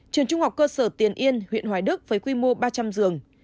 trường trung học cơ sở tiền yên huyện hoài đức với quy mô ba trăm linh giường